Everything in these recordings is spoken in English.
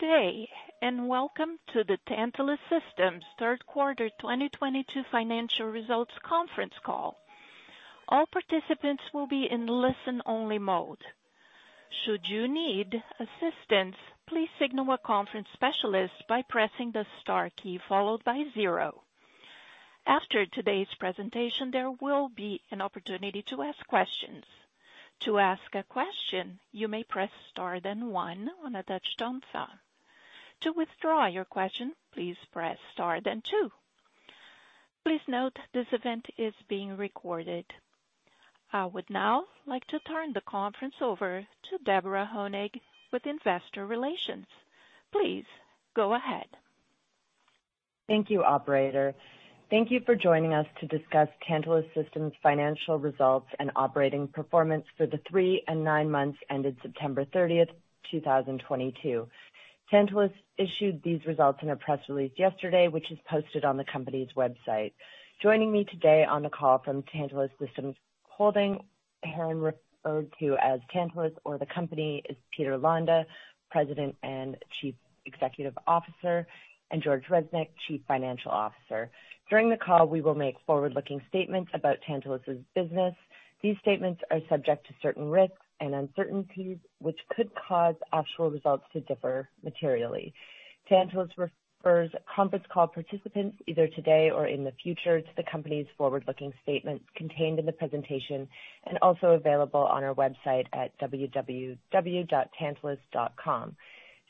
Good day, and welcome to the Tantalus Systems Third Quarter 2022 Financial Results Conference Call. All participants will be in listen-only mode. Should you need assistance, please signal a conference specialist by pressing the star key followed by zero. After today's presentation, there will be an opportunity to ask questions. To ask a question, you may press star then one on a touch-tone phone. To withdraw your question, please press star then two. Please note this event is being recorded. I would now like to turn the conference over to Deborah Honig with Investor Relations. Please go ahead. Thank you, operator. Thank you for joining us to discuss Tantalus Systems' financial results and operating performance for the three and nine months ended September 30th, 2022. Tantalus issued these results in a press release yesterday, which is posted on the company's website. Joining me today on the call from Tantalus Systems Holding, herein referred to as Tantalus or the company, is Peter Londa, President and Chief Executive Officer, and George Reznik, Chief Financial Officer. During the call, we will make forward-looking statements about Tantalus' business. These statements are subject to certain risks and uncertainties, which could cause actual results to differ materially. Tantalus refers conference call participants, either today or in the future, to the company's forward-looking statements contained in the presentation and also available on our website at www.tantalus.com.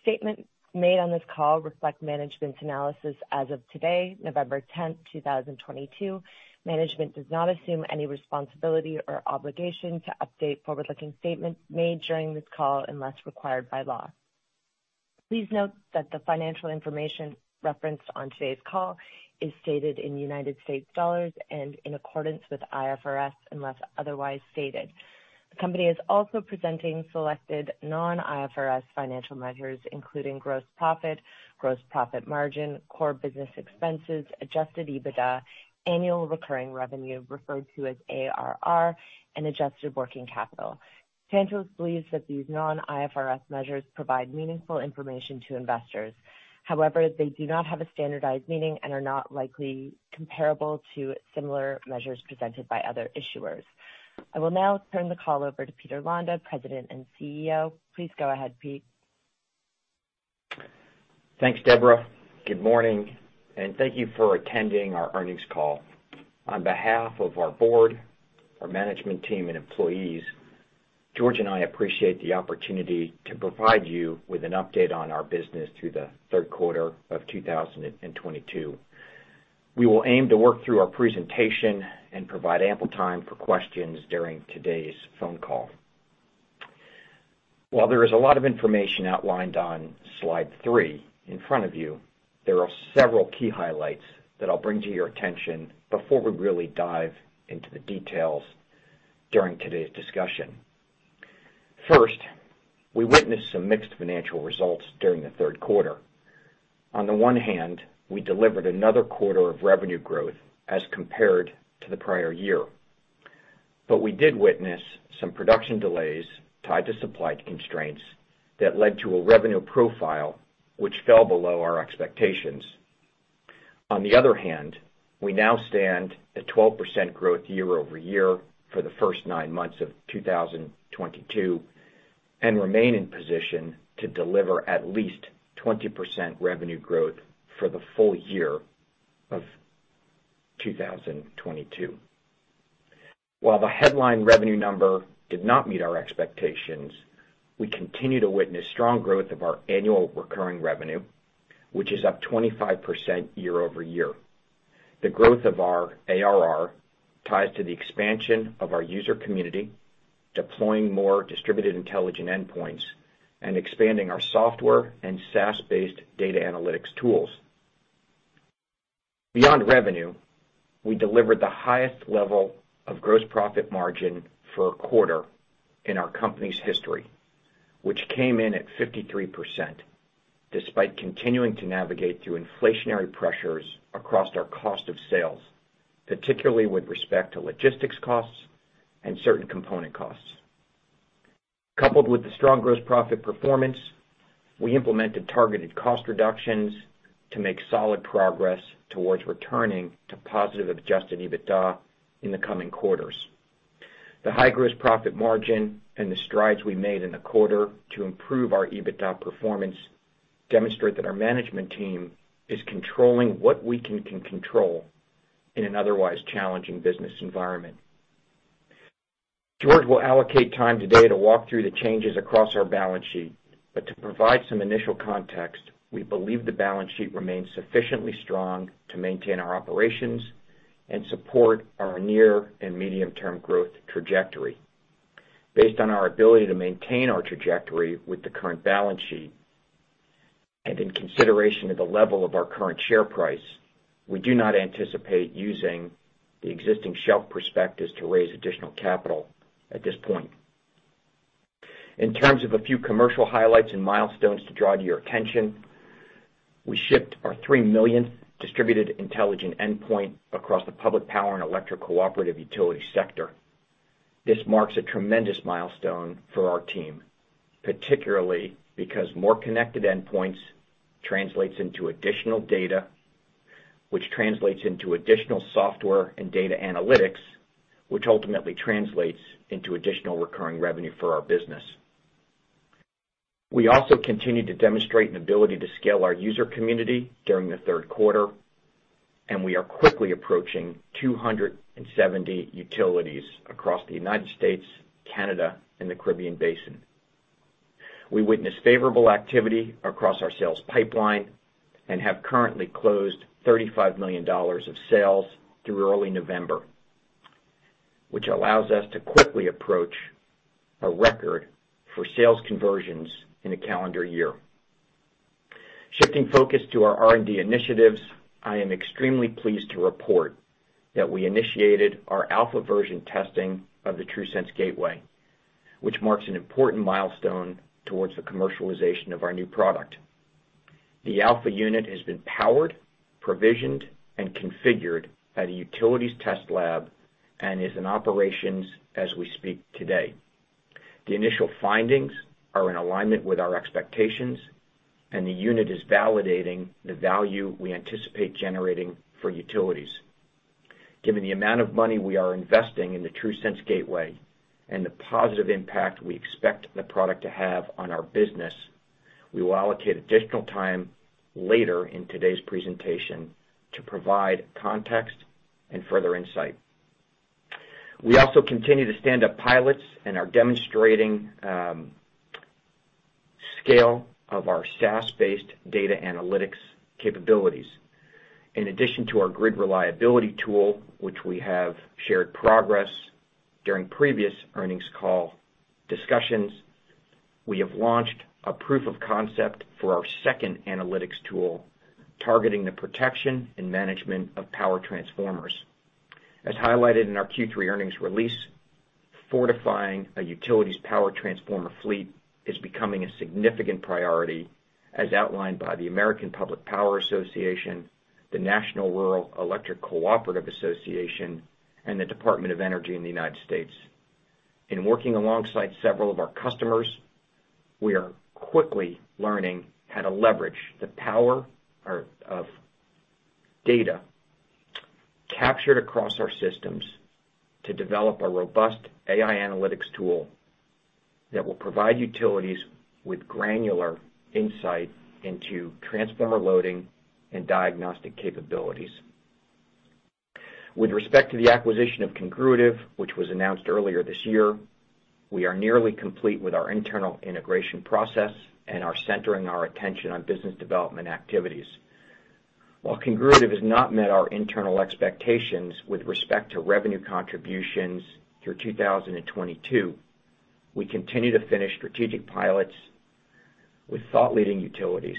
Statements made on this call reflect management's analysis as of today, November 10th, 2022. Management does not assume any responsibility or obligation to update forward-looking statements made during this call unless required by law. Please note that the financial information referenced on today's call is stated in United States dollars and in accordance with IFRS, unless otherwise stated. The company is also presenting selected non-IFRS financial measures, including gross profit, gross profit margin, core business expenses, Adjusted EBITDA, annual recurring revenue referred to as ARR, and adjusted working capital. Tantalus believes that these non-IFRS measures provide meaningful information to investors. However, they do not have a standardized meaning and are not likely comparable to similar measures presented by other issuers. I will now turn the call over to Peter Londa, President and CEO. Please go ahead, Pete. Thanks, Deborah. Good morning, and thank you for attending our earnings call. On behalf of our board, our management team and employees, George and I appreciate the opportunity to provide you with an update on our business through the third quarter of 2022. We will aim to work through our presentation and provide ample time for questions during today's phone call. While there is a lot of information outlined on Slide three in front of you, there are several key highlights that I'll bring to your attention before we really dive into the details during today's discussion. First, we witnessed some mixed financial results during the third quarter. On the one hand, we delivered another quarter of revenue growth as compared to the prior year. We did witness some production delays tied to supply constraints that led to a revenue profile which fell below our expectations. On the other hand, we now stand at 12% growth year-over-year for the first nine months of 2022, and remain in position to deliver at least 20% revenue growth for the full year of 2022. While the headline revenue number did not meet our expectations, we continue to witness strong growth of our annual recurring revenue, which is up 25% year-over-year. The growth of our ARR ties to the expansion of our user community, deploying more distributed intelligent endpoints, and expanding our software and SaaS-based data analytics tools. Beyond revenue, we delivered the highest level of gross profit margin for a quarter in our company's history, which came in at 53%, despite continuing to navigate through inflationary pressures across our cost of sales, particularly with respect to logistics costs and certain component costs. Coupled with the strong gross profit performance, we implemented targeted cost reductions to make solid progress towards returning to positive Adjusted EBITDA in the coming quarters. The high gross profit margin and the strides we made in the quarter to improve our EBITDA performance demonstrate that our management team is controlling what we can control in an otherwise challenging business environment. George will allocate time today to walk through the changes across our balance sheet, but to provide some initial context, we believe the balance sheet remains sufficiently strong to maintain our operations and support our near and medium-term growth trajectory. Based on our ability to maintain our trajectory with the current balance sheet, and in consideration of the level of our current share price, we do not anticipate using the existing shelf prospectus to raise additional capital at this point. In terms of a few commercial highlights and milestones to draw to your attention. We shipped our 3 millionth distributed intelligent endpoint across the public power and electric cooperative utility sector. This marks a tremendous milestone for our team, particularly because more connected endpoints translates into additional data, which translates into additional software and data analytics, which ultimately translates into additional recurring revenue for our business. We also continue to demonstrate an ability to scale our user community during the third quarter, and we are quickly approaching 270 utilities across the United States, Canada, and the Caribbean Basin. We witnessed favorable activity across our sales pipeline and have currently closed $35 million of sales through early November, which allows us to quickly approach a record for sales conversions in a calendar year. Shifting focus to our R&D initiatives, I am extremely pleased to report that we initiated our alpha version testing of the TRUSense Gateway, which marks an important milestone towards the commercialization of our new product. The alpha unit has been powered, provisioned, and configured at a utilities test lab and is in operations as we speak today. The initial findings are in alignment with our expectations, and the unit is validating the value we anticipate generating for utilities. Given the amount of money we are investing in the TRUSense Gateway and the positive impact we expect the product to have on our business, we will allocate additional time later in today's presentation to provide context and further insight. We also continue to stand up pilots and are demonstrating scale of our SaaS-based data analytics capabilities. In addition to our grid reliability tool, which we have shared progress during previous earnings call discussions, we have launched a proof of concept for our second analytics tool, targeting the protection and management of power transformers. As highlighted in our Q3 earnings release, fortifying a utility's power transformer fleet is becoming a significant priority, as outlined by the American Public Power Association, the National Rural Electric Cooperative Association, and the Department of Energy in the United States. In working alongside several of our customers, we are quickly learning how to leverage the power of data captured across our systems to develop a robust AI analytics tool that will provide utilities with granular insight into transformer loading and diagnostic capabilities. With respect to the acquisition of Congruitive, which was announced earlier this year, we are nearly complete with our internal integration process and are centering our attention on business development activities. While Congruitive has not met our internal expectations with respect to revenue contributions through 2022, we continue to finish strategic pilots with thought-leading utilities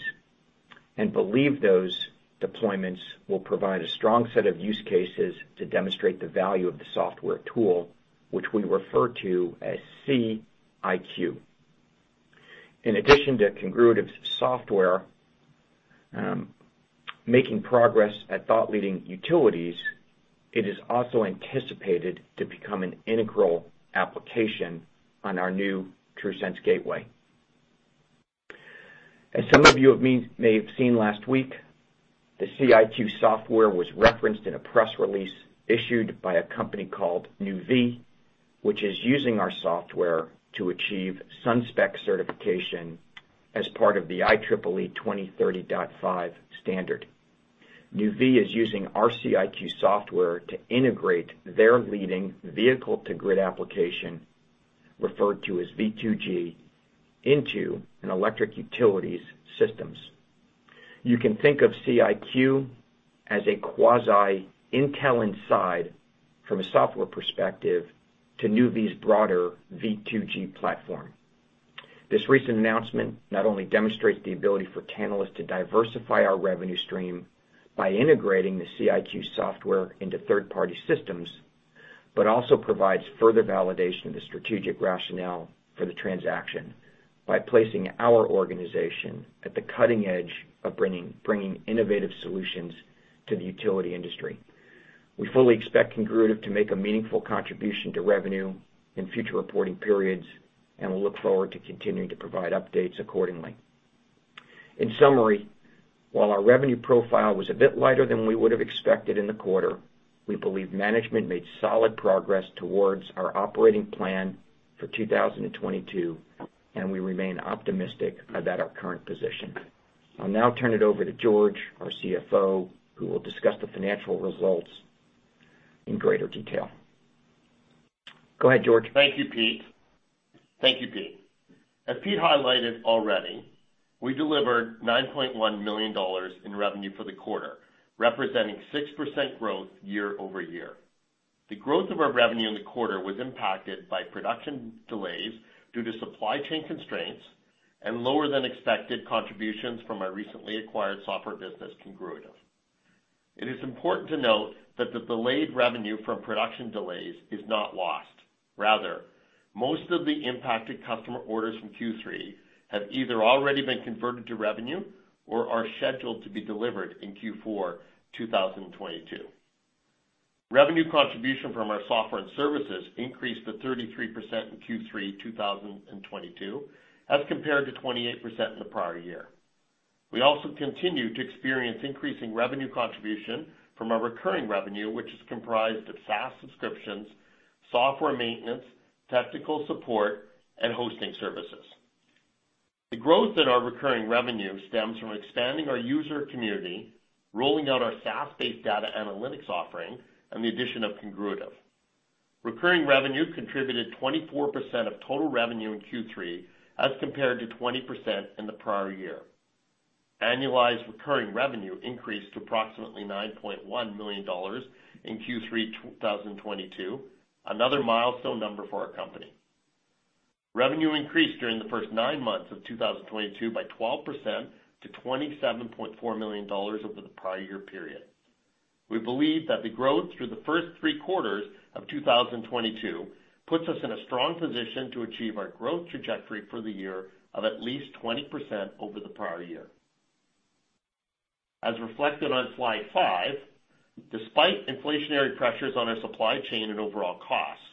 and believe those deployments will provide a strong set of use cases to demonstrate the value of the software tool, which we refer to as C.IQ. In addition to Congruitive's software, making progress at thought-leading utilities, it is also anticipated to become an integral application on our new TRUSense Gateway. As some of you may have seen last week, the C.IQ software was referenced in a press release issued by a company called Nuvve, which is using our software to achieve SunSpec certification as part of the IEEE 2030.5 standard. Nuvve is using our C.IQ software to integrate their leading vehicle-to-grid application, referred to as V2G, into an electric utilities systems. You can think of C.IQ as a quasi Intel inside from a software perspective to Nuvve's broader V2G platform. This recent announcement not only demonstrates the ability for Congruitive to diversify our revenue stream by integrating the C.IQ software into third-party systems, but also provides further validation of the strategic rationale for the transaction by placing our organization at the cutting edge of bringing innovative solutions to the utility industry. We fully expect Congruitive to make a meaningful contribution to revenue in future reporting periods, and we look forward to continuing to provide updates accordingly. In summary, while our revenue profile was a bit lighter than we would have expected in the quarter, we believe management made solid progress towards our operating plan for 2022, and we remain optimistic about our current position. I'll now turn it over to George, our CFO, who will discuss the financial results in greater detail. Go ahead, George. Thank you, Pete. As Pete highlighted already, we delivered $9.1 million in revenue for the quarter, representing 6% growth year-over-year. The growth of our revenue in the quarter was impacted by production delays due to supply chain constraints and lower than expected contributions from our recently acquired software business, Congruitive. It is important to note that the delayed revenue from production delays is not lost. Rather, most of the impacted customer orders from Q3 have either already been converted to revenue or are scheduled to be delivered in Q4, 2022. Revenue contribution from our software and services increased to 33% in Q3 2022, as compared to 28% in the prior year. We also continue to experience increasing revenue contribution from our recurring revenue, which is comprised of SaaS subscriptions, software maintenance, technical support, and hosting services. The growth in our recurring revenue stems from expanding our user community, rolling out our SaaS-based data analytics offering, and the addition of Congruitive. Recurring revenue contributed 24% of total revenue in Q3, as compared to 20% in the prior year. Annualized recurring revenue increased to approximately $9.1 million in Q3 2022, another milestone number for our company. Revenue increased during the first nine months of 2022 by 12% to $27.4 million over the prior year period. We believe that the growth through the first three quarters of 2022 puts us in a strong position to achieve our growth trajectory for the year of at least 20% over the prior year. As reflected on Slide five, despite inflationary pressures on our supply chain and overall costs,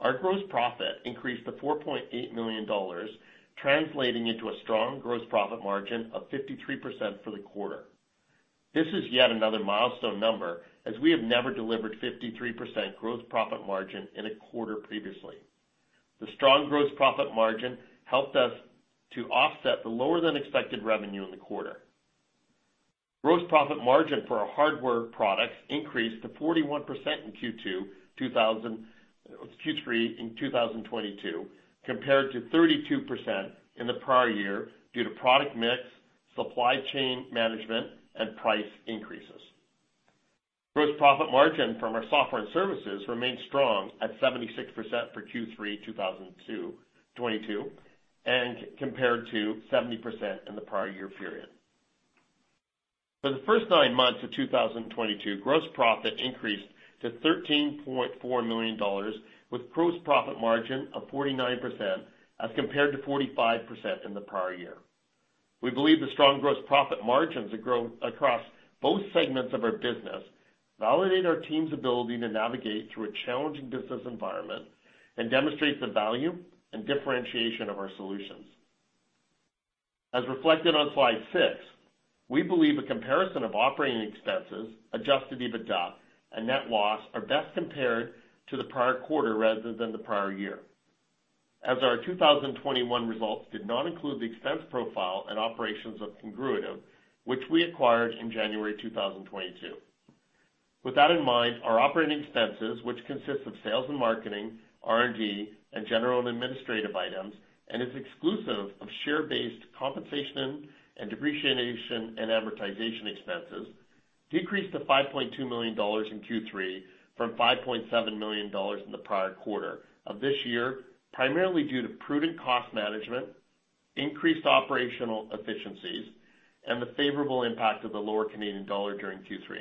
our gross profit increased to $4.8 million, translating into a strong gross profit margin of 53% for the quarter. This is yet another milestone number as we have never delivered 53% gross profit margin in a quarter previously. The strong gross profit margin helped us to offset the lower than expected revenue in the quarter. Gross profit margin for our hardware products increased to 41% in Q3 in 2022, compared to 32% in the prior year due to product mix, supply chain management, and price increases. Gross profit margin from our software and services remained strong at 76% for Q3 2022, and compared to 70% in the prior year period. For the first nine months of 2022, gross profit increased to $13.4 million with gross profit margin of 49% as compared to 45% in the prior year. We believe the strong gross profit margins that grow across both segments of our business validate our team's ability to navigate through a challenging business environment and demonstrate the value and differentiation of our solutions. As reflected on Slide six, we believe a comparison of operating expenses, Adjusted EBITDA and net loss are best compared to the prior quarter rather than the prior year, as our 2021 results did not include the expense profile and operations of Congruitive, which we acquired in January 2022. With that in mind, our operating expenses, which consists of sales and marketing, R&D, and general and administrative items, and is exclusive of share-based compensation and depreciation and amortization expenses, decreased to $5.2 million in Q3 from $5.7 million in the prior quarter of this year, primarily due to prudent cost management, increased operational efficiencies, and the favorable impact of the lower Canadian dollar during Q3.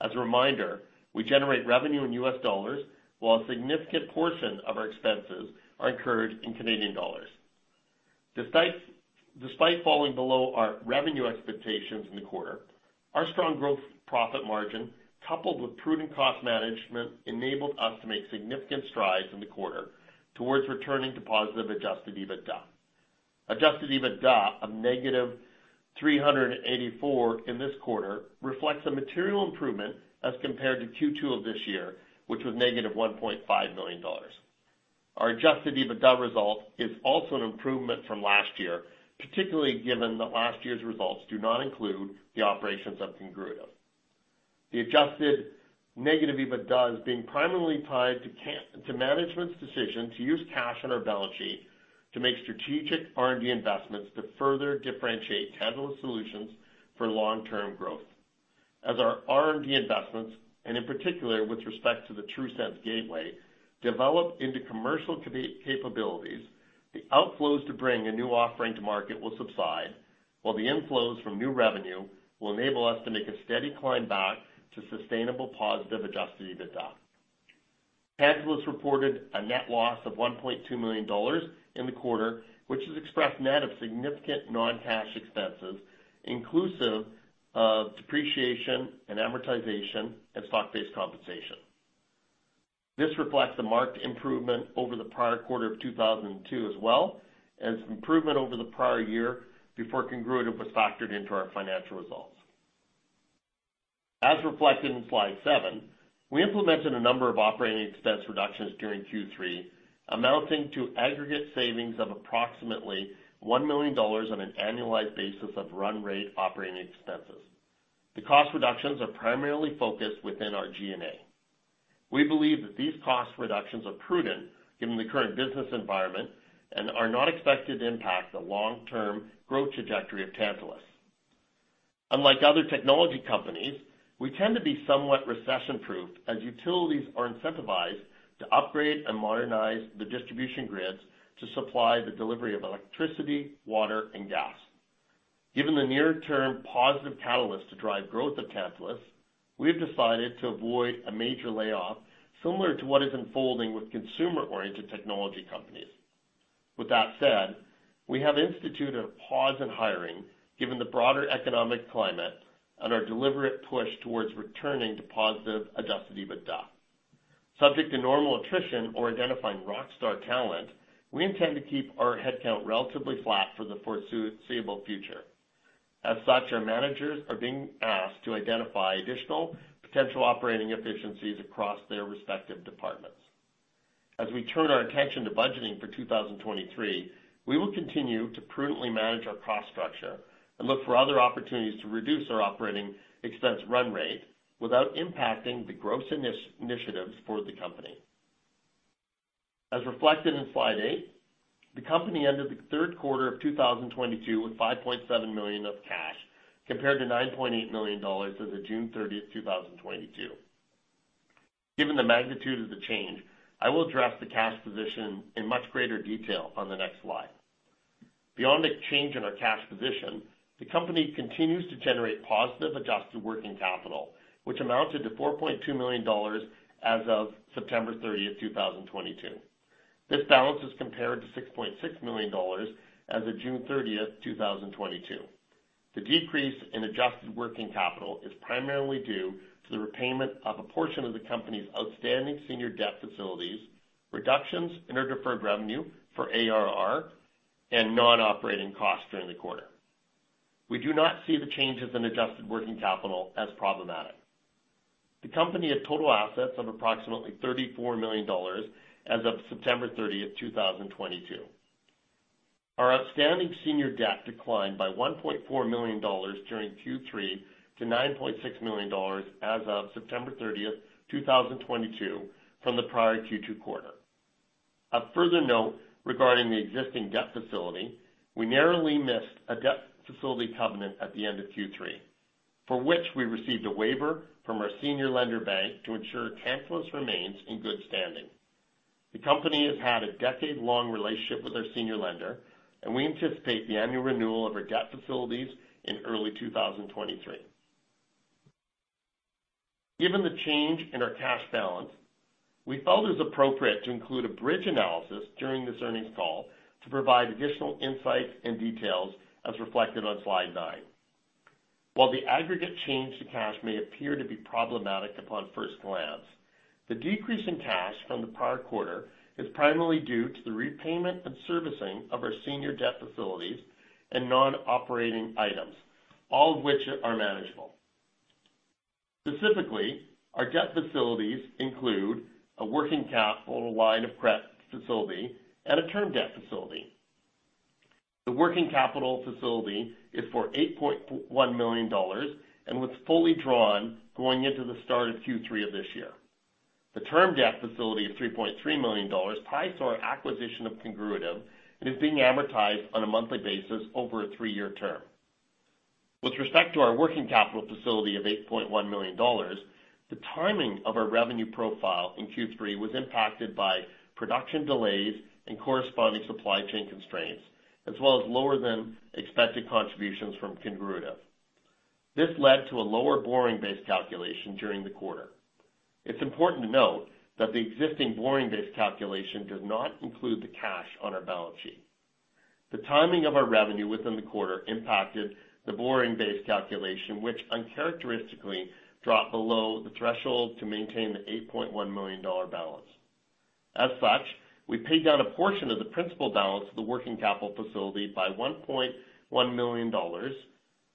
As a reminder, we generate revenue in U.S. dollars while a significant portion of our expenses are incurred in Canadian dollars. Despite falling below our revenue expectations in the quarter, our strong gross profit margin, coupled with prudent cost management, enabled us to make significant strides in the quarter towards returning to positive Adjusted EBITDA. Adjusted EBITDA of -384 in this quarter reflects a material improvement as compared to Q2 of this year, which was$1.5 million. Our Adjusted EBITDA result is also an improvement from last year, particularly given that last year's results do not include the operations of Congruitive. The adjusted negative EBITDA is being primarily tied to management's decision to use cash on our balance sheet to make strategic R&D investments to further differentiate Tantalus solutions for long-term growth. As our R&D investments, and in particular with respect to the TRUSense Gateway, develop into commercial capabilities, the outflows to bring a new offering to market will subside, while the inflows from new revenue will enable us to make a steady climb back to sustainable positive Adjusted EBITDA. Tantalus reported a net loss of $1.2 million in the quarter, which is expressed net of significant non-cash expenses, inclusive of depreciation and amortization and stock-based compensation. This reflects a marked improvement over the prior quarter of $2.2 million as well, and it's an improvement over the prior year before Congruitive was factored into our financial results. As reflected in Slide seven, we implemented a number of operating expense reductions during Q3, amounting to aggregate savings of approximately $1 million on an annualized basis of run rate operating expenses. The cost reductions are primarily focused within our G&A. We believe that these cost reductions are prudent given the current business environment and are not expected to impact the long-term growth trajectory of Tantalus. Unlike other technology companies, we tend to be somewhat recession-proof as utilities are incentivized to upgrade and modernize the distribution grids to supply the delivery of electricity, water, and gas. Given the near-term positive catalyst to drive growth of Tantalus, we have decided to avoid a major layoff, similar to what is unfolding with consumer-oriented technology companies. With that said, we have instituted a pause in hiring given the broader economic climate and our deliberate push towards returning to positive Adjusted EBITDA. Subject to normal attrition or identifying rockstar talent, we intend to keep our head count relatively flat for the foreseeable future. As such, our managers are being asked to identify additional potential operating efficiencies across their respective departments. As we turn our attention to budgeting for 2023, we will continue to prudently manage our cost structure and look for other opportunities to reduce our operating expense run rate without impacting the gross initiatives for the company. As reflected in Slide eight, the company ended the third quarter of 2022 with $5.7 million of cash, compared to $9.8 million as of June 30th, 2022. Given the magnitude of the change, I will address the cash position in much greater detail on the next slide. Beyond the change in our cash position, the company continues to generate positive adjusted working capital, which amounted to $4.2 million as of September 30th, 2022. This balance is compared to $6.6 million as of June 30th, 2022. The decrease in adjusted working capital is primarily due to the repayment of a portion of the company's outstanding senior debt facilities, reductions in our deferred revenue for ARR, and non-operating costs during the quarter. We do not see the changes in adjusted working capital as problematic. The company had total assets of approximately $34 million as of September 30th, 2022. Our outstanding senior debt declined by $1.4 million during Q3 to $9.6 million as of September 30th, 2022 from the prior Q2 quarter. Of further note regarding the existing debt facility, we narrowly missed a debt facility covenant at the end of Q3, for which we received a waiver from our senior lender bank to ensure Tantalus remains in good standing. The company has had a decade-long relationship with our senior lender, and we anticipate the annual renewal of our debt facilities in early 2023. Given the change in our cash balance, we felt it was appropriate to include a bridge analysis during this earnings call to provide additional insights and details as reflected on Slide nine. While the aggregate change to cash may appear to be problematic upon first glance, the decrease in cash from the prior quarter is primarily due to the repayment and servicing of our senior debt facilities and non-operating items, all of which are manageable. Specifically, our debt facilities include a working capital line of credit facility and a term debt facility. The working capital facility is for $8.1 million and was fully drawn going into the start of Q3 of this year. The term debt facility of $3.3 million ties to our acquisition of Congruitive and is being amortized on a monthly basis over a three-year term. With respect to our working capital facility of $8.1 million, the timing of our revenue profile in Q3 was impacted by production delays and corresponding supply chain constraints, as well as lower than expected contributions from Congruitive. This led to a lower borrowing base calculation during the quarter. It's important to note that the existing borrowing base calculation does not include the cash on our balance sheet. The timing of our revenue within the quarter impacted the borrowing base calculation, which uncharacteristically dropped below the threshold to maintain the $8.1 million balance. As such, we paid down a portion of the principal balance of the working capital facility by $1.1 million,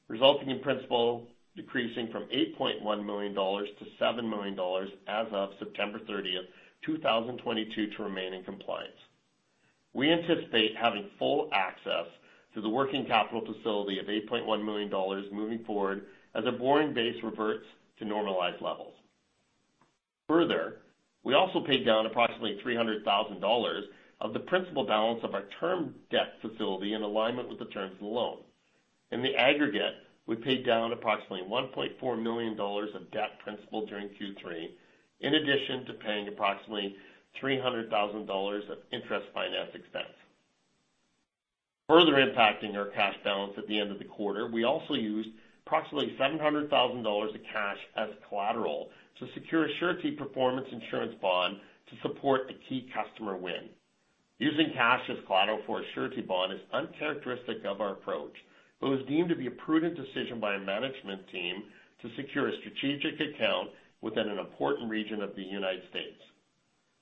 resulting in principal decreasing from $8.1 million-$7 million as of September 30th, 2022, to remain in compliance. We anticipate having full access to the working capital facility of $8.1 million moving forward as our borrowing base reverts to normalized levels. Further, we also paid down approximately $300,000 of the principal balance of our term debt facility in alignment with the terms of the loan. In the aggregate, we paid down approximately $1.4 million of debt principal during Q3, in addition to paying approximately $300,000 of interest finance expense. Further impacting our cash balance at the end of the quarter, we also used approximately $700,000 of cash as collateral to secure a surety performance insurance bond to support a key customer win. Using cash as collateral for a surety bond is uncharacteristic of our approach, but was deemed to be a prudent decision by a management team to secure a strategic account within an important region of the United States.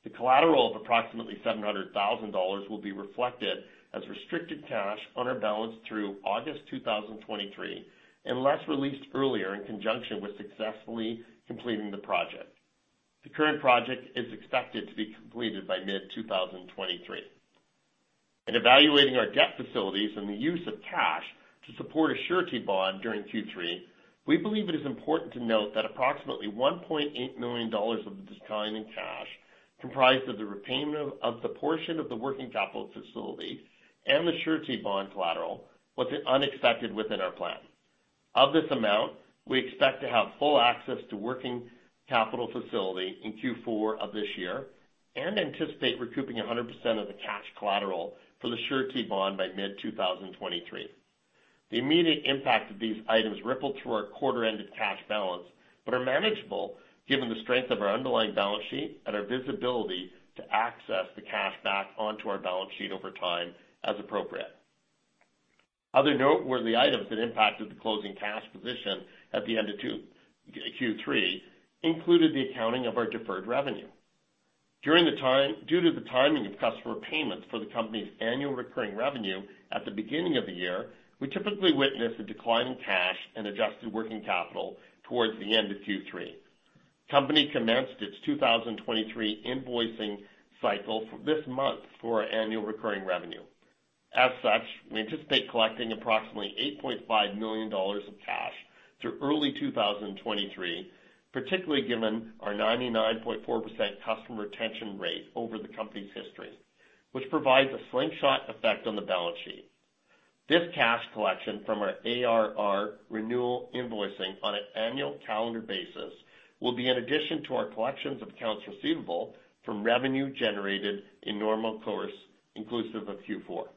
The collateral of approximately $700,000 will be reflected as restricted cash on our balance through August 2023, unless released earlier in conjunction with successfully completing the project. The current project is expected to be completed by mid-2023. In evaluating our debt facilities and the use of cash to support a surety bond during Q3, we believe it is important to note that approximately $1.8 million of this decline in cash comprised of the repayment of the portion of the working capital facility and the surety bond collateral was unexpected within our plan. Of this amount, we expect to have full access to working capital facility in Q4 of this year and anticipate recouping 100% of the cash collateral for the surety bond by mid-2023. The immediate impact of these items rippled through our quarter-ended cash balance, but are manageable given the strength of our underlying balance sheet and our visibility to access the cash back onto our balance sheet over time as appropriate. Other noteworthy items that impacted the closing cash position at the end of Q3 included the accounting of our deferred revenue. Due to the timing of customer payments for the company's annual recurring revenue at the beginning of the year, we typically witness a decline in cash and adjusted working capital towards the end of Q3. Company commenced its 2023 invoicing cycle this month for annual recurring revenue. As such, we anticipate collecting approximately $8.5 million of cash through early 2023, particularly given our 99.4% customer retention rate over the company's history, which provides a slingshot effect on the balance sheet. This cash collection from our ARR renewal invoicing on an annual calendar basis will be in addition to our collections of accounts receivable from revenue generated in normal course, inclusive of Q4.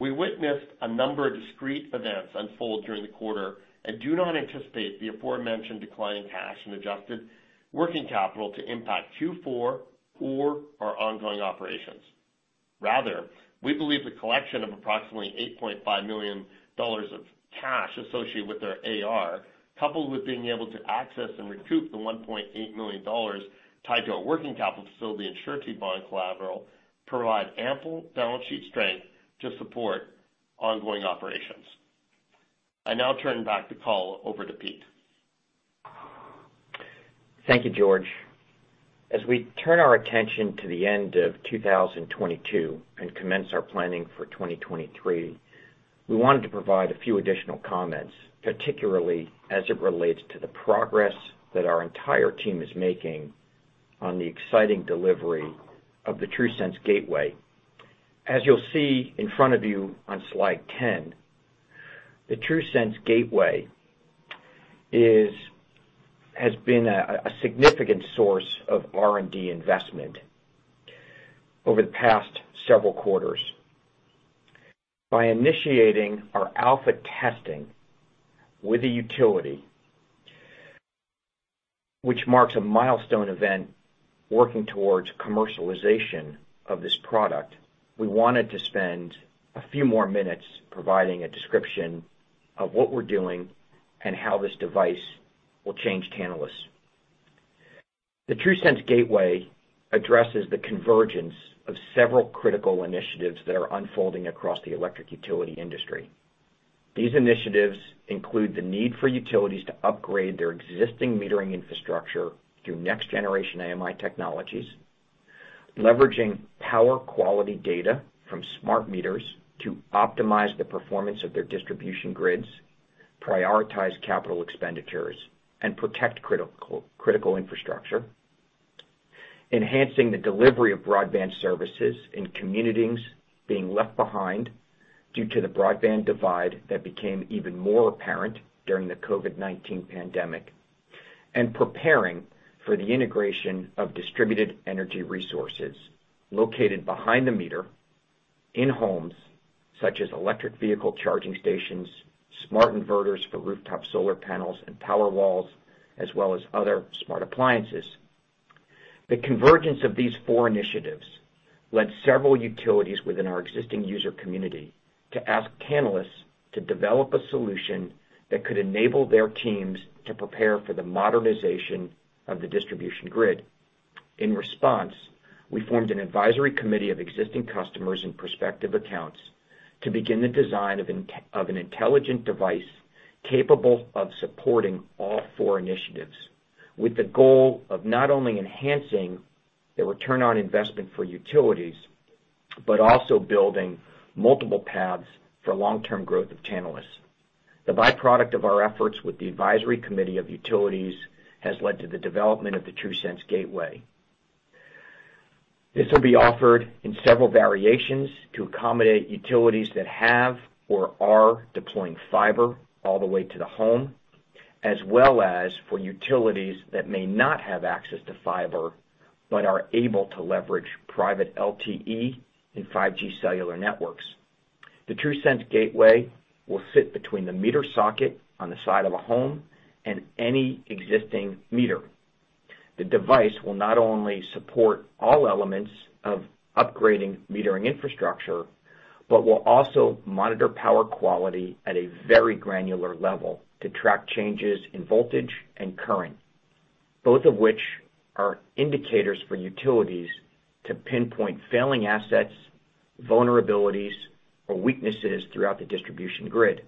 We witnessed a number of discrete events unfold during the quarter and do not anticipate the aforementioned decline in cash and adjusted working capital to impact Q4 or our ongoing operations. Rather, we believe the collection of approximately $8.5 million of cash associated with our AR, coupled with being able to access and recoup the $1.8 million tied to our working capital facility and surety bond collateral, provide ample balance sheet strength to support ongoing operations. I now turn back the call over to Pete. Thank you, George. As we turn our attention to the end of 2022 and commence our planning for 2023, we wanted to provide a few additional comments, particularly as it relates to the progress that our entire team is making on the exciting delivery of the TRUSense Gateway. As you'll see in front of you on Slide 10, the TRUSense Gateway has been a significant source of R&D investment over the past several quarters. By initiating our alpha testing with a utility, which marks a milestone event working towards commercialization of this product, we wanted to spend a few more minutes providing a description of what we're doing and how this device will change Tantalus. The TRUSense Gateway addresses the convergence of several critical initiatives that are unfolding across the electric utility industry. These initiatives include the need for utilities to upgrade their existing metering infrastructure through next-generation AMI technologies, leveraging power quality data from smart meters to optimize the performance of their distribution grids, prioritize capital expenditures and protect critical infrastructure. Enhancing the delivery of broadband services in communities being left behind due to the broadband divide that became even more apparent during the COVID-19 pandemic. Preparing for the integration of distributed energy resources located behind the meter in homes such as electric vehicle charging stations, smart inverters for rooftop solar panels and power walls, as well as other smart appliances. The convergence of these four initiatives led several utilities within our existing user community to ask Tantalus to develop a solution that could enable their teams to prepare for the modernization of the distribution grid. In response, we formed an advisory committee of existing customers and prospective accounts to begin the design of an intelligent device capable of supporting all four initiatives, with the goal of not only enhancing the return on investment for utilities, but also building multiple paths for long-term growth of Tantalus. The byproduct of our efforts with the advisory committee of utilities has led to the development of the TRUSense Gateway. This will be offered in several variations to accommodate utilities that have or are deploying fiber all the way to the home, as well as for utilities that may not have access to fiber, but are able to leverage private LTE and 5G cellular networks. The TRUSense Gateway will sit between the meter socket on the side of a home and any existing meter. The device will not only support all elements of upgrading metering infrastructure, but will also monitor power quality at a very granular level to track changes in voltage and current, both of which are indicators for utilities to pinpoint failing assets, vulnerabilities, or weaknesses throughout the distribution grid.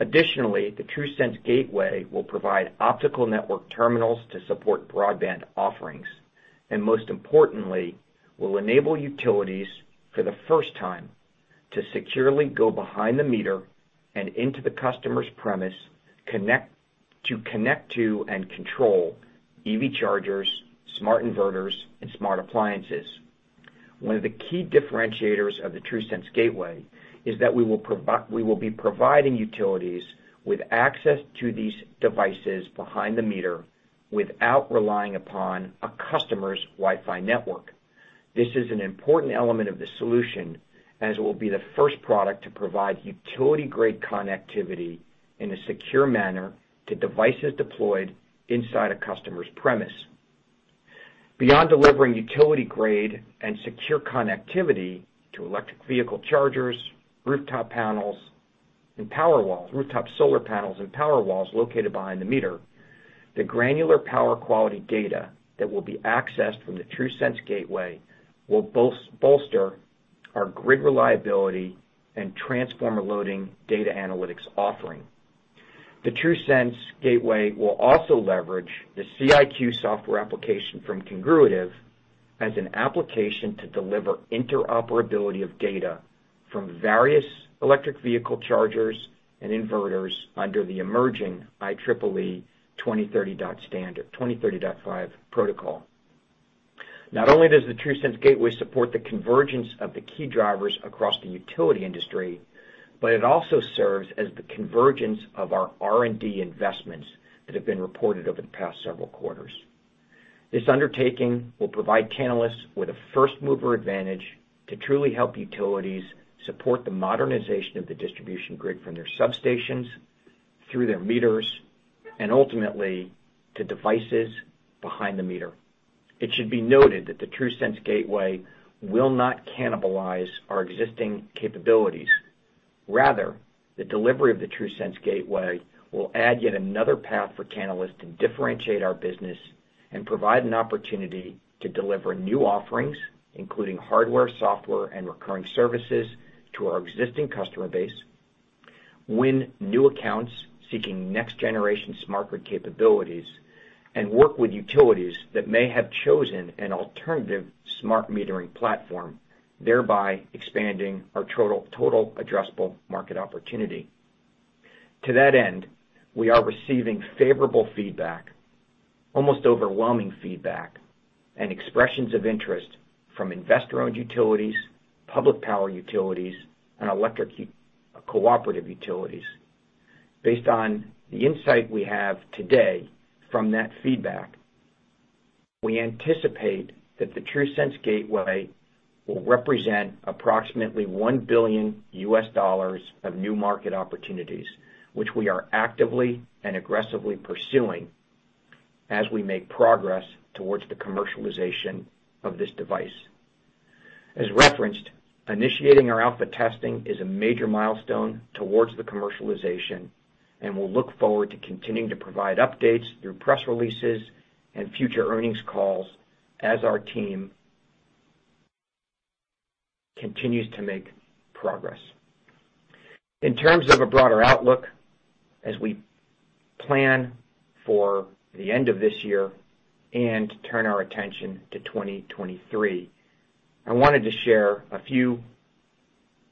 Additionally, the TRUSense Gateway will provide optical network terminals to support broadband offerings, and most importantly, will enable utilities, for the first time, to securely go behind the meter and into the customer's premise, to connect to and control EV chargers, smart inverters, and smart appliances. One of the key differentiators of the TRUSense Gateway is that we will be providing utilities with access to these devices behind the meter without relying upon a customer's Wi-Fi network. This is an important element of the solution, as it will be the first product to provide utility-grade connectivity in a secure manner to devices deployed inside a customer's premise. Beyond delivering utility-grade and secure connectivity to electric vehicle chargers, rooftop panels and power walls, rooftop solar panels and power walls located behind the meter, the granular power quality data that will be accessed from the TRUSense Gateway will bolster our grid reliability and transformer loading data analytics offering. The TRUSense Gateway will also leverage the C.IQ software application from Congruitive as an application to deliver interoperability of data from various electric vehicle chargers and inverters under the emerging IEEE 2030.5 standard. Not only does the TRUSense Gateway support the convergence of the key drivers across the utility industry, but it also serves as the convergence of our R&D investments that have been reported over the past several quarters. This undertaking will provide Tantalus with a first-mover advantage to truly help utilities support the modernization of the distribution grid from their substations through their meters, and ultimately, to devices behind the meter. It should be noted that the TRUSense Gateway will not cannibalize our existing capabilities. Rather, the delivery of the TRUSense Gateway will add yet another path for Tantalus to differentiate our business and provide an opportunity to deliver new offerings, including hardware, software, and recurring services to our existing customer base, win new accounts seeking next-generation smart grid capabilities and work with utilities that may have chosen an alternative smart metering platform, thereby expanding our total addressable market opportunity. To that end, we are receiving favorable feedback, almost overwhelming feedback, and expressions of interest from investor-owned utilities, public power utilities, and electric cooperative utilities. Based on the insight we have today from that feedback, we anticipate that the TRUSense Gateway will represent approximately $1 billion of new market opportunities, which we are actively and aggressively pursuing as we make progress towards the commercialization of this device. As referenced, initiating our alpha testing is a major milestone towards the commercialization, and we'll look forward to continuing to provide updates through press releases and future earnings calls as our team continues to make progress. In terms of a broader outlook, as we plan for the end of this year and turn our attention to 2023, I wanted to share a few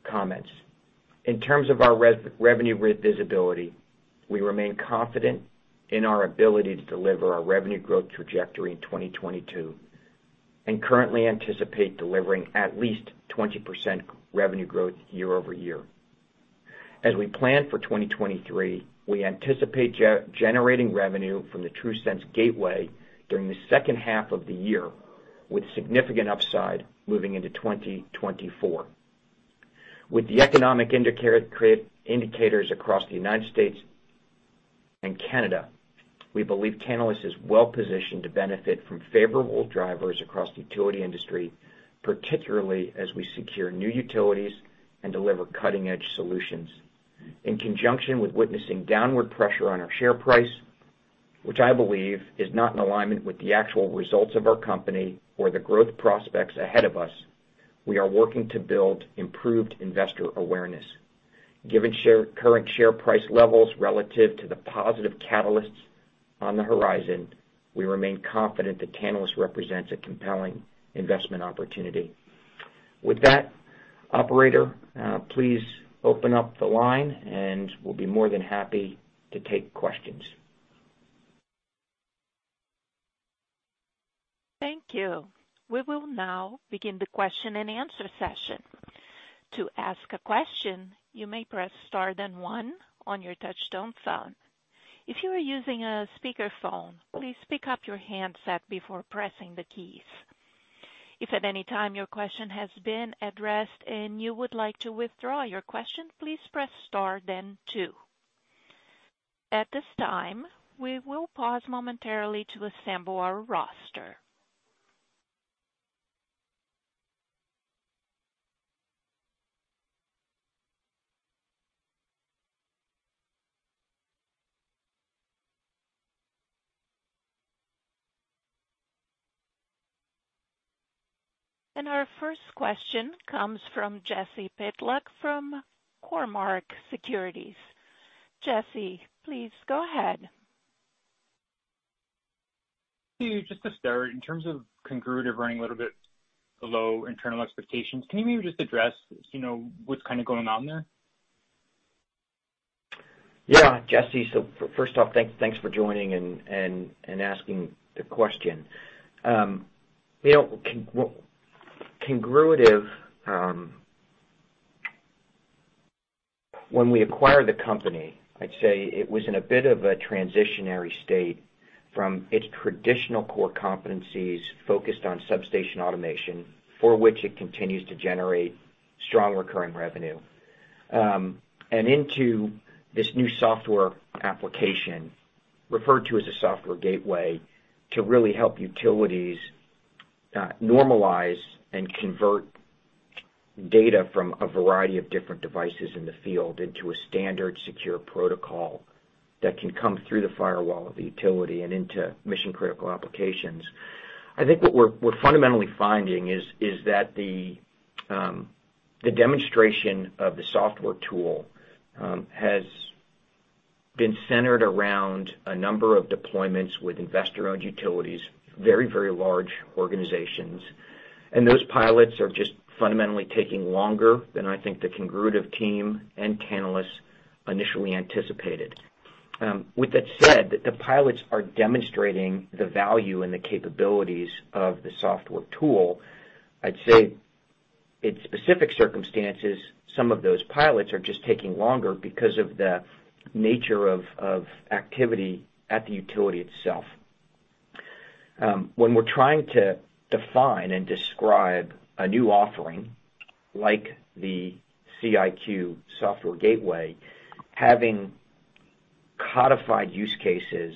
comments. In terms of our revenue visibility, we remain confident in our ability to deliver our revenue growth trajectory in 2022, and currently anticipate delivering at least 20% revenue growth year-over-year. As we plan for 2023, we anticipate generating revenue from the TRUSense Gateway during the second half of the year, with significant upside moving into 2024. With the economic indicators across the United States and Canada, we believe Tantalus is well positioned to benefit from favorable drivers across the utility industry, particularly as we secure new utilities and deliver cutting-edge solutions. In conjunction with witnessing downward pressure on our share price, which I believe is not in alignment with the actual results of our company or the growth prospects ahead of us, we are working to build improved investor awareness. Given current share price levels relative to the positive catalysts on the horizon, we remain confident that Tantalus represents a compelling investment opportunity. With that, operator, please open up the line and we'll be more than happy to take questions. Thank you. We will now begin the question-and-answer session. To ask a question, you may press star then one on your touchtone phone. If you are using a speakerphone, please pick up your handset before pressing the keys. If at any time your question has been addressed and you would like to withdraw your question, please press star then two. At this time, we will pause momentarily to assemble our roster. Our first question comes from Jesse Pytlak from Cormark Securities. Jesse, please go ahead. Just to start, in terms of Congruitive running a little bit below internal expectations, can you maybe just address, you know, what's kind of going on there? Yeah, Jesse. First off, thanks for joining and asking the question. You know, Congruitive, when we acquired the company, I'd say it was in a bit of a transitionary state from its traditional core competencies focused on substation automation, for which it continues to generate strong recurring revenue, and into this new software application, referred to as a software gateway, to really help utilities, normalize and convert data from a variety of different devices in the field into a standard secure protocol that can come through the firewall of the utility and into mission-critical applications. I think what we're fundamentally finding is that the demonstration of the software tool has been centered around a number of deployments with investor-owned utilities, very large organizations. Those pilots are just fundamentally taking longer than I think the Congruitive team and Tantalus initially anticipated. With that said, the pilots are demonstrating the value and the capabilities of the software tool. I'd say in specific circumstances, some of those pilots are just taking longer because of the nature of activity at the utility itself. When we're trying to define and describe a new offering, like the C.IQ software gateway, having codified use cases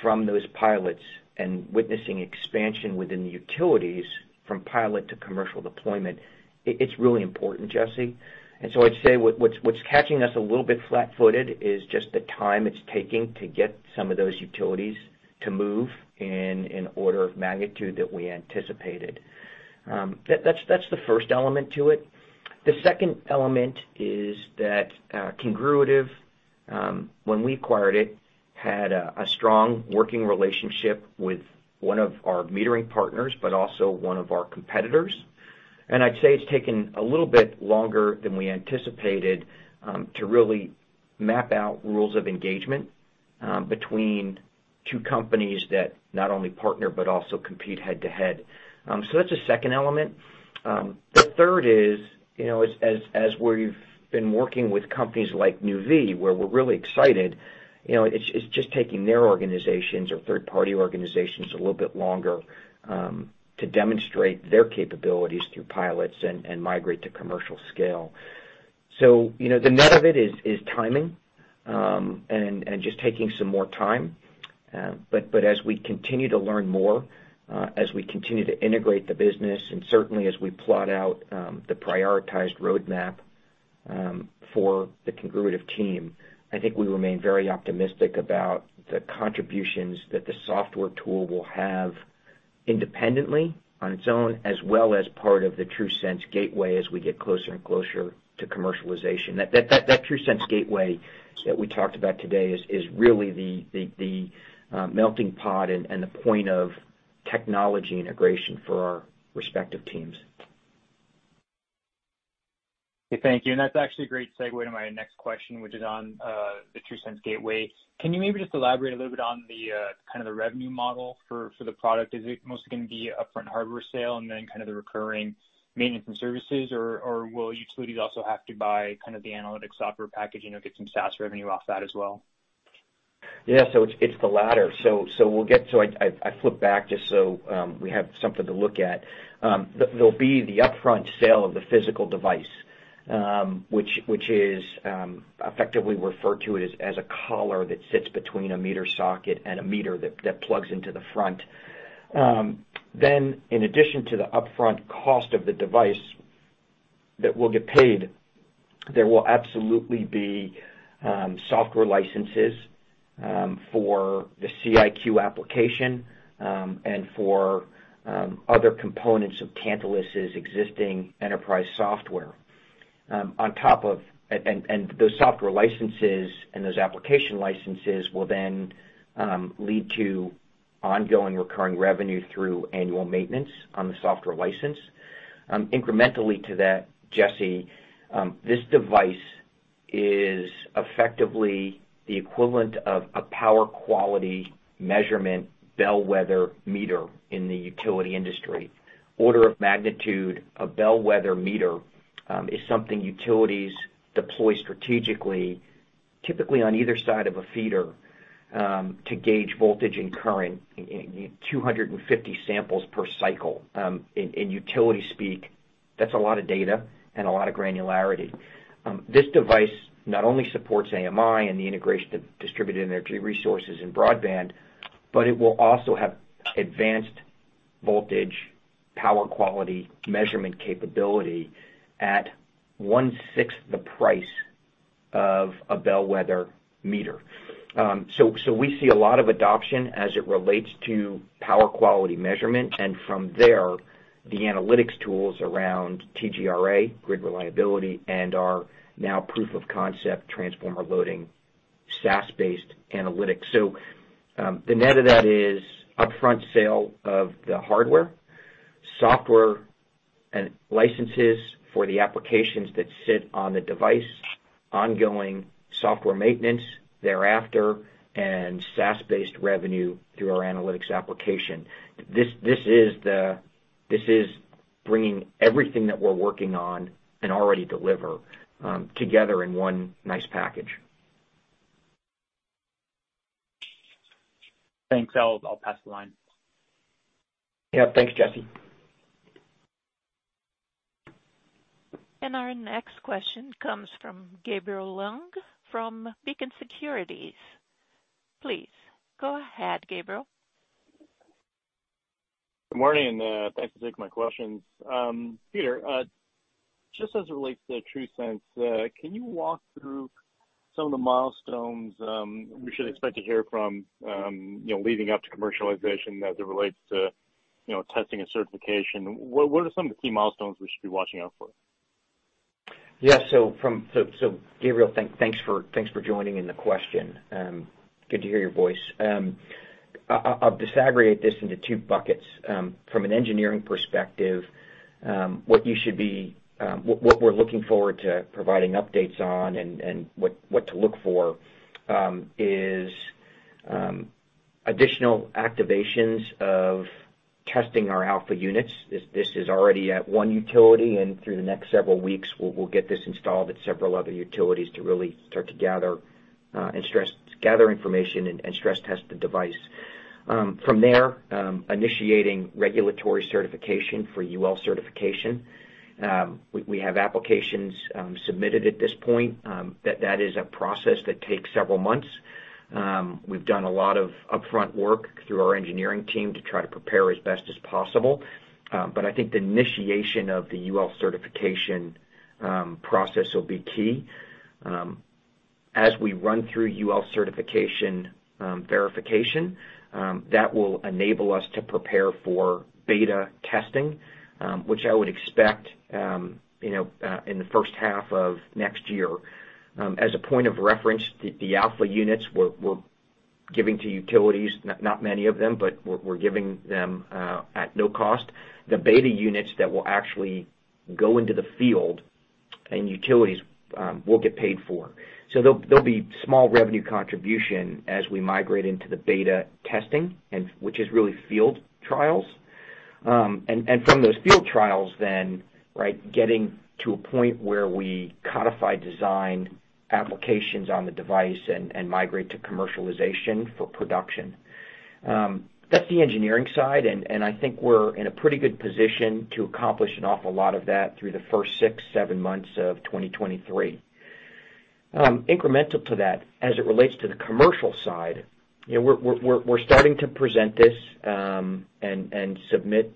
from those pilots and witnessing expansion within the utilities from pilot to commercial deployment, it's really important, Jesse. I'd say what's catching us a little bit flat-footed is just the time it's taking to get some of those utilities to move in order of magnitude that we anticipated. That's the first element to it. The second element is that, Congruitive, when we acquired it, had a strong working relationship with one of our metering partners, but also one of our competitors. I'd say it's taken a little bit longer than we anticipated, to really map out rules of engagement, between two companies that not only partner, but also compete head to head. That's the second element. The third is, you know, as we've been working with companies like Nuvve, where we're really excited, you know, it's just taking their organizations or third-party organizations a little bit longer, to demonstrate their capabilities through pilots and migrate to commercial scale. The net of it is timing, and just taking some more time. As we continue to learn more, as we continue to integrate the business, and certainly as we plot out the prioritized roadmap for the Congruitive team, I think we remain very optimistic about the contributions that the software tool will have independently on its own, as well as part of the TRUSense Gateway as we get closer and closer to commercialization. That TRUSense Gateway that we talked about today is really the melting pot and the point of technology integration for our respective teams. Okay, thank you. That's actually a great segue to my next question, which is on the TRUSense Gateway. Can you maybe just elaborate a little bit on the kind of the revenue model for the product? Is it mostly gonna be upfront hardware sale and then kind of the recurring maintenance and services? Or will utilities also have to buy kind of the analytic software package, you know, get some SaaS revenue off that as well? It's the latter. We'll get to it. I flipped back so we have something to look at. There'll be the upfront sale of the physical device, which is effectively referred to as a collar that sits between a meter socket and a meter that plugs into the front. Then in addition to the upfront cost of the device that we'll get paid, there will absolutely be software licenses for the C.IQ application and for other components of Tantalus' existing enterprise software. Those software licenses and those application licenses will then lead to ongoing recurring revenue through annual maintenance on the software license. Incrementally to that, Jesse, this device is effectively the equivalent of a power quality measurement bellwether meter in the utility industry. Order of magnitude of bellwether meter is something utilities deploy strategically, typically on either side of a feeder, to gauge voltage and current in 250 samples per cycle. In utility speak, that's a lot of data and a lot of granularity. This device not only supports AMI and the integration of distributed energy resources and broadband, but it will also have advanced voltage power quality measurement capability at one-sixth the price of a bellwether meter. So we see a lot of adoption as it relates to power quality measurement, and from there, the analytics tools around TGRA, grid reliability, and our now proof of concept transformer loading SaaS-based analytics. The net of that is upfront sale of the hardware, software and licenses for the applications that sit on the device, ongoing software maintenance thereafter, and SaaS-based revenue through our analytics application. This is bringing everything that we're working on and already deliver together in one nice package. Thanks. I'll pass the line. Yeah. Thanks, Jesse. Our next question comes from Gabriel Leung from Beacon Securities. Please go ahead, Gabriel. Good morning, and, thanks for taking my questions. Peter, just as it relates to TRUSense, can you walk through some of the milestones, we should expect to hear from, you know, leading up to commercialization as it relates to, you know, testing and certification? What are some of the key milestones we should be watching out for? Gabriel, thanks for joining in the question. Good to hear your voice. I'll disaggregate this into two buckets. From an engineering perspective, what we're looking forward to providing updates on and what to look for is additional activations of testing our alpha units. This is already at one utility, and through the next several weeks, we'll get this installed at several other utilities to really start to gather information and stress test the device. From there, initiating regulatory certification for UL certification. We have applications submitted at this point, that is a process that takes several months. We've done a lot of upfront work through our engineering team to try to prepare as best as possible. I think the initiation of the UL certification process will be key. As we run through UL certification verification, that will enable us to prepare for beta testing, which I would expect, you know, in the first half of next year. As a point of reference, the alpha units we're giving to utilities, not many of them, but we're giving them at no cost. The beta units that will actually go into the field and utilities will get paid for. There'll be small revenue contribution as we migrate into the beta testing and which is really field trials. From those field trials then, right, getting to a point where we codify design applications on the device and migrate to commercialization for production. That's the engineering side, and I think we're in a pretty good position to accomplish an awful lot of that through the first six to seven months of 2023. Incremental to that, as it relates to the commercial side, you know, we're starting to present this and submit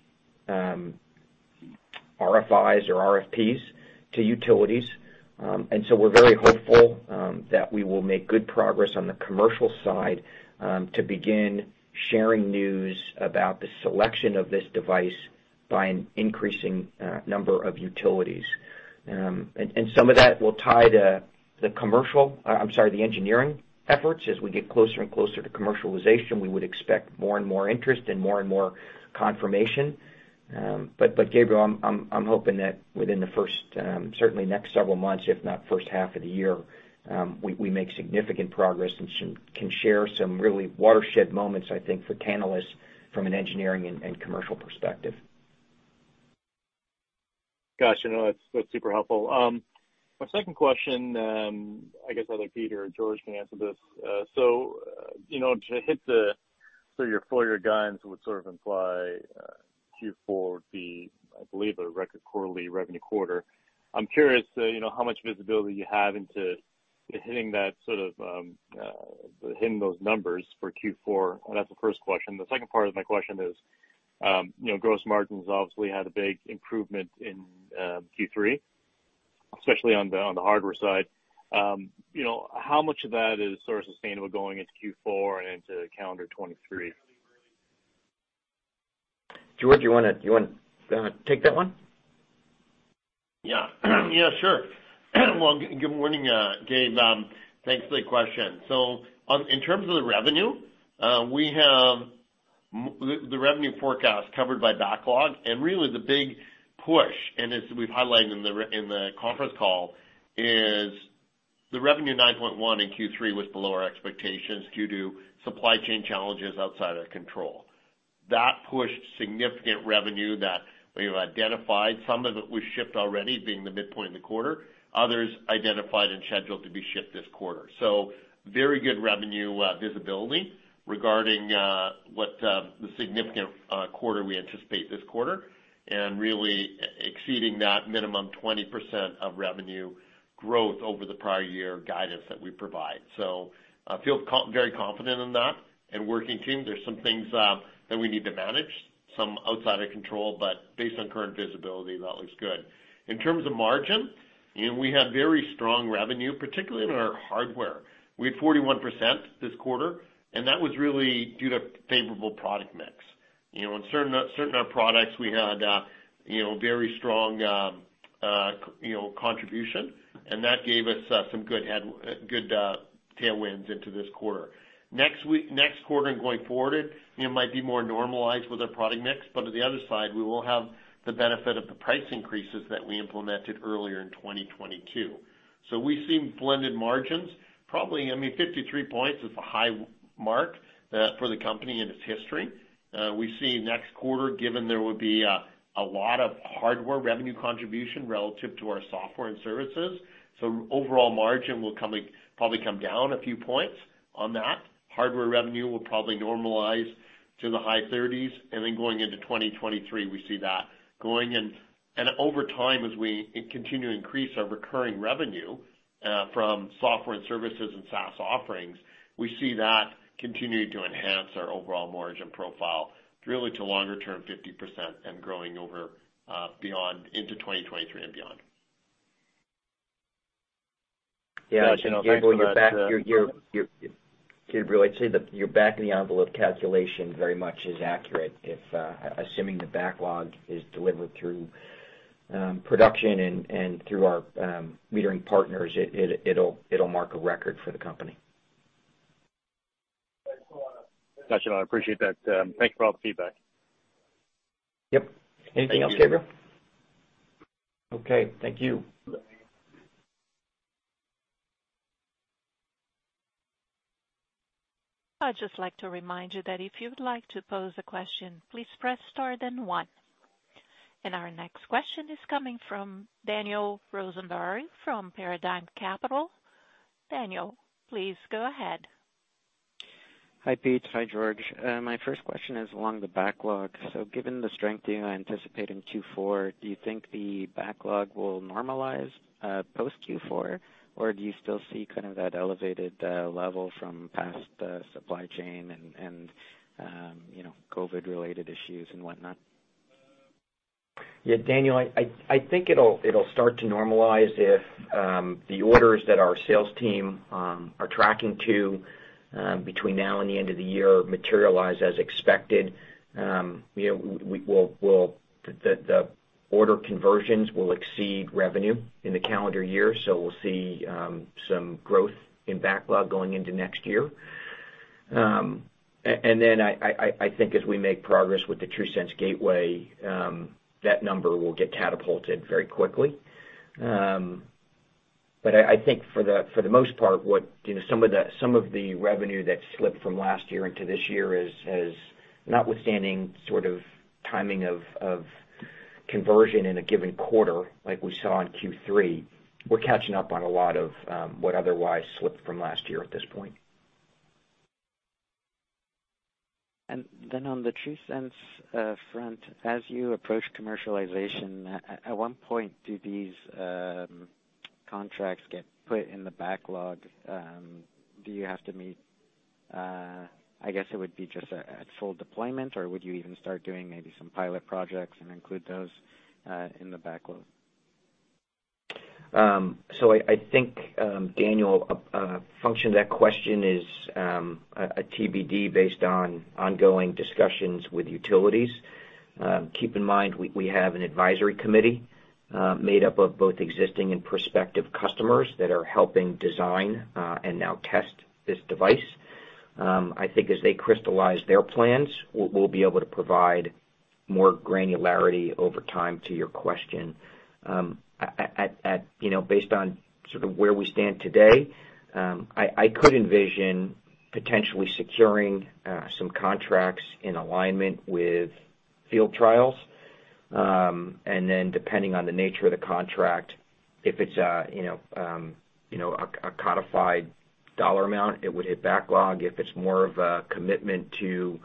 RFIs or RFPs to utilities. We're very hopeful that we will make good progress on the commercial side to begin sharing news about the selection of this device by an increasing number of utilities. Some of that will tie to the engineering efforts. As we get closer and closer to commercialization, we would expect more and more interest and more and more confirmation. Gabriel, I'm hoping that within the first, certainly next several months, if not first half of the year, we make significant progress and can share some really watershed moments, I think, for Tantalus from an engineering and commercial perspective. Gosh, you know, that's super helpful. My second question, I guess either Peter or George can answer this. Your full-year guidance would sort of imply Q4 would be, I believe, a record quarterly revenue quarter. I'm curious, you know, how much visibility you have into hitting that sort of, hitting those numbers for Q4. That's the first question. The second part of my question is, you know, gross margins obviously had a big improvement in Q3, especially on the hardware side. You know, how much of that is sort of sustainable going into Q4 and into calendar 2023? George, you wanna take that one? Yeah, sure. Well, good morning, Gabe. Thanks for the question. In terms of the revenue, we have the revenue forecast covered by backlog. Really the big push, as we've highlighted in the conference call, is the revenue $9.1 in Q3 was below our expectations due to supply chain challenges outside of our control. That pushed significant revenue that we've identified. Some of it was shipped already, being the midpoint of the quarter, others identified and scheduled to be shipped this quarter. Very good revenue visibility regarding what the significant quarter we anticipate this quarter and really exceeding that minimum 20% of revenue growth over the prior year guidance that we provide. I feel very confident in that and working team. There's some things that we need to manage, some outside of control, but based on current visibility, that looks good. In terms of margin, you know, we have very strong revenue, particularly in our hardware. We had 41% this quarter, and that was really due to favorable product mix. You know, in certain of our products, we had. You know, very strong contribution, and that gave us some good tailwinds into this quarter. Next quarter and going forward, it, you know, might be more normalized with our product mix. On the other side, we will have the benefit of the price increases that we implemented earlier in 2022. We've seen blended margins, probably. I mean, 53% is a high mark for the company in its history. We see next quarter, given there would be a lot of hardware revenue contribution relative to our software and services. Overall margin will probably come down a few points on that. Hardware revenue will probably normalize to the high 30s. Then going into 2023, we see that going. Over time, as we continue to increase our recurring revenue from software and services and SaaS offerings, we see that continuing to enhance our overall margin profile really to longer term 50% and growing over beyond into 2023 and beyond. Yeah. Gabriel, I'd say that your back-of-the-envelope calculation very much is accurate if assuming the backlog is delivered through production and through our metering partners, it'll mark a record for the company. Got you. I appreciate that. Thanks for all the feedback. Yep. Anything else, Gabriel? Okay. Thank you. I'd just like to remind you that if you would like to pose a question, please press star then one. Our next question is coming from Daniel Rosenberg from Paradigm Capital. Daniel, please go ahead. Hi, Pete. Hi, George. My first question is along the backlog. Given the strength you anticipate in Q4, do you think the backlog will normalize post Q4? Or do you still see kind of that elevated level from past supply chain and, you know, COVID-related issues and whatnot? Yeah, Daniel, I think it'll start to normalize if the orders that our sales team are tracking to between now and the end of the year materialize as expected. You know, the order conversions will exceed revenue in the calendar year, so we'll see some growth in backlog going into next year. And then I think as we make progress with the TRUSense Gateway, that number will get catapulted very quickly. But I think for the most part, you know, some of the revenue that slipped from last year into this year is notwithstanding sort of timing of conversion in a given quarter like we saw in Q3. We're catching up on a lot of what otherwise slipped from last year at this point. On the TRUSense front, as you approach commercialization, at one point do these contracts get put in the backlog? Do you have to meet, I guess it would be just a full deployment, or would you even start doing maybe some pilot projects and include those in the backlog? I think, Daniel, a function of that question is a TBD based on ongoing discussions with utilities. Keep in mind, we have an advisory committee made up of both existing and prospective customers that are helping design and now test this device. I think as they crystallize their plans, we'll be able to provide more granularity over time to your question. You know, based on sort of where we stand today, I could envision potentially securing some contracts in alignment with field trials. Then depending on the nature of the contract, if it's you know, you know, a codified dollar amount, it would hit backlog. If it's more of a commitment to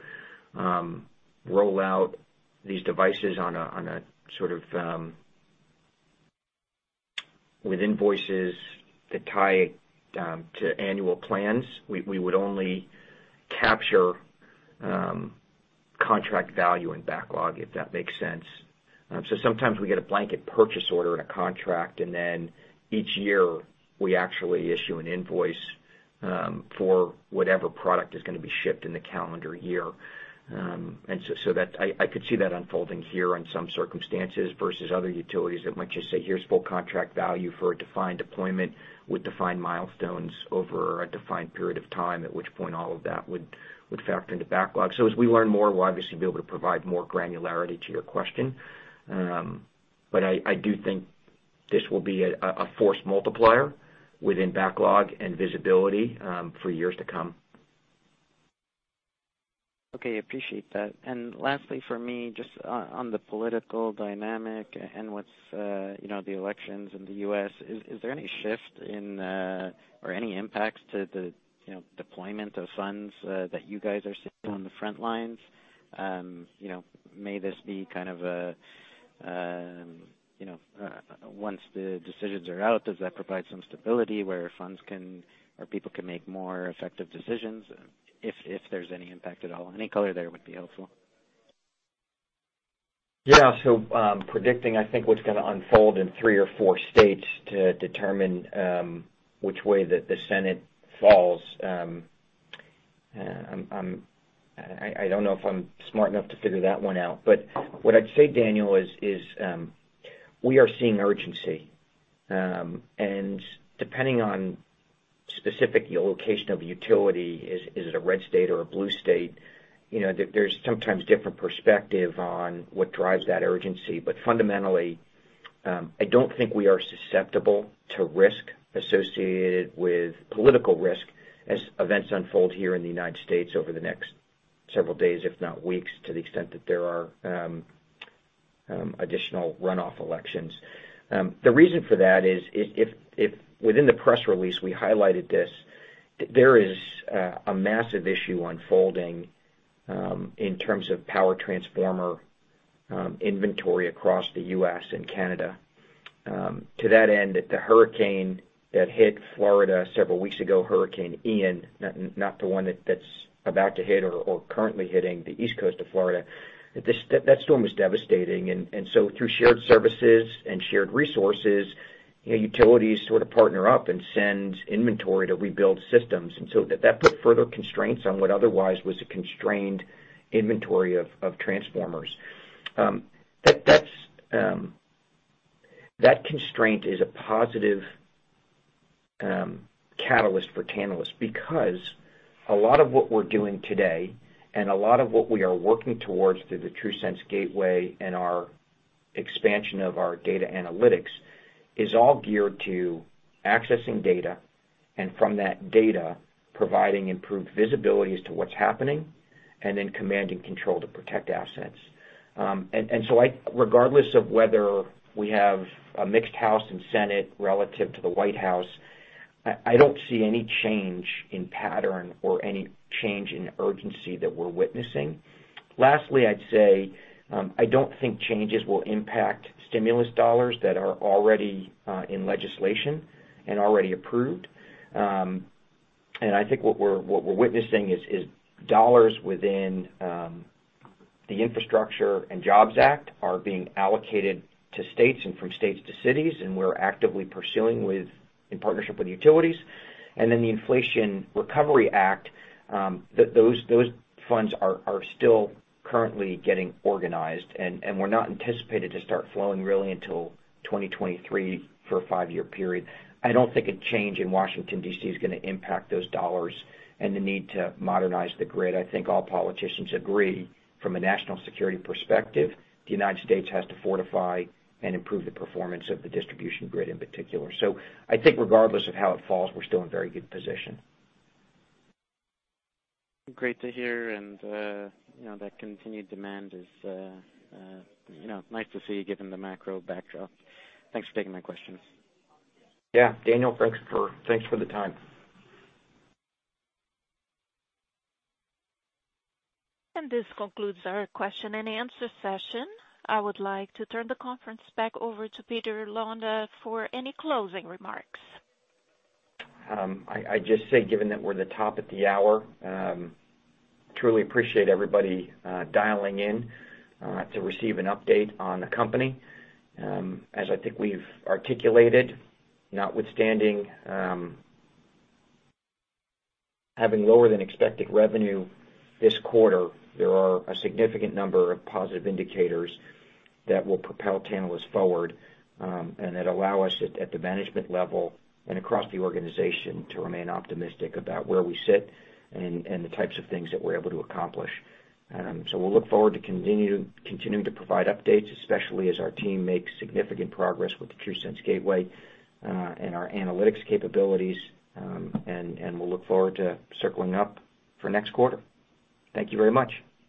roll out these devices on a sort of with invoices that tie to annual plans, we would only capture contract value and backlog, if that makes sense. Sometimes we get a blanket purchase order and a contract, and then each year, we actually issue an invoice for whatever product is gonna be shipped in the calendar year. So that I could see that unfolding here in some circumstances versus other utilities that might just say, "Here's full contract value for a defined deployment with defined milestones over a defined period of time," at which point all of that would factor into backlog. As we learn more, we'll obviously be able to provide more granularity to your question. I do think this will be a force multiplier within backlog and visibility, for years to come. Okay, appreciate that. Lastly for me, just on the political dynamic and what's, you know, the elections in the U.S., is there any shift in or any impacts to the, you know, deployment of funds that you guys are seeing on the front lines? You know, once the decisions are out, does that provide some stability where funds can or people can make more effective decisions if there's any impact at all? Any color there would be helpful. Yeah. Predicting I think what's gonna unfold in three or four states to determine which way that the Senate falls. I don't know if I'm smart enough to figure that one out. What I'd say, Daniel, is we are seeing urgency. Depending on specific location of utility, is it a red state or a blue state? You know, there's sometimes different perspective on what drives that urgency. Fundamentally, I don't think we are susceptible to risk associated with political risk as events unfold here in the United States over the next several days, if not weeks, to the extent that there are additional runoff elections. The reason for that is if... Within the press release, we highlighted this, there is a massive issue unfolding in terms of power transformer inventory across the U.S. and Canada. To that end, the hurricane that hit Florida several weeks ago, Hurricane Ian, not the one that's about to hit or currently hitting the east coast of Florida. That storm was devastating. Through shared services and shared resources, you know, utilities sort of partner up and send inventory to rebuild systems. That put further constraints on what otherwise was a constrained inventory of transformers. That constraint is a positive catalyst for Tantalus because a lot of what we're doing today and a lot of what we are working towards through the TRUSense Gateway and our expansion of our data analytics is all geared to accessing data, and from that data, providing improved visibility as to what's happening, and then command and control to protect assets. Regardless of whether we have a mixed House and Senate relative to the White House, I don't see any change in pattern or any change in urgency that we're witnessing. Lastly, I'd say, I don't think changes will impact stimulus dollars that are already in legislation and already approved. I think what we're witnessing is dollars within the Infrastructure Investment and Jobs Act are being allocated to states and from states to cities, and we're actively pursuing within partnership with utilities. The Inflation Reduction Act, those funds are still currently getting organized and were not anticipated to start flowing really until 2023 for a five-year period. I don't think a change in Washington, D.C. is gonna impact those dollars and the need to modernize the grid. I think all politicians agree from a national security perspective, the United States has to fortify and improve the performance of the distribution grid in particular. I think regardless of how it falls, we're still in very good position. Great to hear. You know, that continued demand is, you know, nice to see given the macro backdrop. Thanks for taking my questions. Yeah. Daniel, thanks for the time. This concludes our question-and-answer session. I would like to turn the conference back over to Peter Londa for any closing remarks. I just say, given that we're at the top of the hour, truly appreciate everybody dialing in to receive an update on the company. As I think we've articulated, notwithstanding having lower than expected revenue this quarter, there are a significant number of positive indicators that will propel Tantalus forward, and that allow us at the management level and across the organization to remain optimistic about where we sit and the types of things that we're able to accomplish. We'll look forward to continuing to provide updates, especially as our team makes significant progress with the TRUSense Gateway and our analytics capabilities. We'll look forward to circling up for next quarter. Thank you very much.